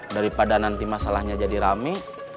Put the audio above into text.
daripada nanti masalahnya jadi rame